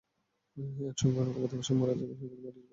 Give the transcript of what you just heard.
একসঙ্গে অনেক গবাদিপশু মারা যাওয়ায় সেগুলো মাটি চাপা দেওয়া সম্ভব হয়নি।